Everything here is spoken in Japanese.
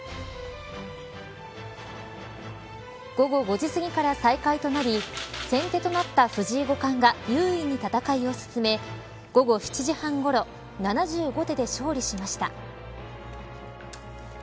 午後５時すぎから再開となり先手となった藤井五冠が優位に戦いを進め午後７時半ごろ７５手で勝利しました。